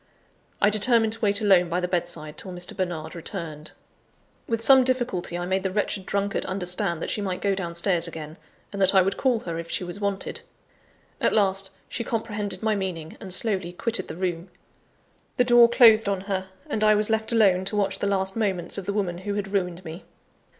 I determined to wait alone by the bedside till Mr. Bernard returned. With some difficulty, I made the wretched drunkard understand that she might go downstairs again; and that I would call her if she was wanted. At last, she comprehended my meaning, and slowly quitted the room. The door closed on her; and I was left alone to watch the last moments of the woman who had ruined me!